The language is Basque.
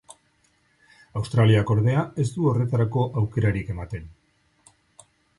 Australiak, ordea, ez du horretarako aukerarik ematen.